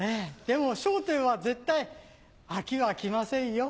でも『笑点』は絶対アキは来ませんよ